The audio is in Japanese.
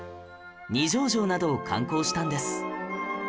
二条城などを観光したんです